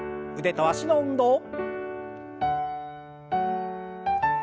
腕と脚の運動。